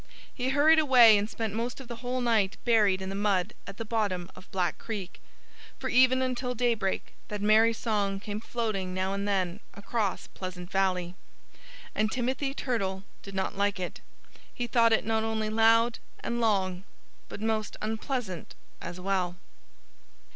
He hurried away and spent most of the whole night buried in the mud at the bottom of Black Creek. For even until daybreak that merry song came floating now and then across Pleasant Valley. And Timothy Turtle did not like it. He thought it not only loud and long, but most unpleasant as well.